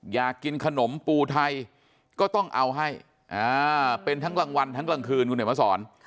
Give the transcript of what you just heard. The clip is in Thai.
อยากกินขนมปูไทยก็ต้องเอาให้เป็นทั้งกลางวันทั้งกลางคืนคุณเดี๋ยวมาสอน